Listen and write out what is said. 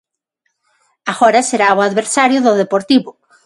Agora será o adversario do Deportivo.